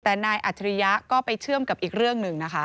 แต่นายอัจฉริยะก็ไปเชื่อมกับอีกเรื่องหนึ่งนะคะ